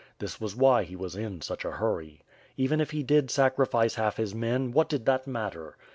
This was why he was in such a hurry. Even if he did sacrifice half his men, what did that matter?